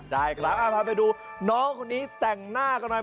พาไปดูน้องคนนี้แต่งหน้ากันหน่อย